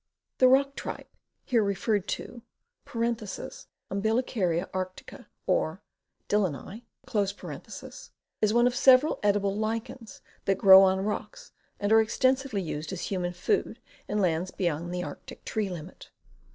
The rock tripe here referred to (Umbilicaria ardica or Dillenii) is one of several edible lichens that grow on rocks and are extensively used as human food in lands beyond the arctic tree limit.